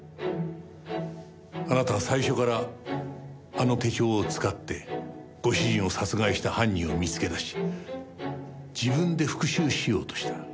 あなたは最初からあの手帳を使ってご主人を殺害した犯人を見つけ出し自分で復讐しようとした。